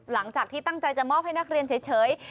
หลังจากที่ตั้งใจจะมอบให้นักเรียนเฉย